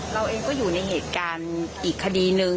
เราเองก็อยู่ในเหตุการณ์อีกคดีหนึ่ง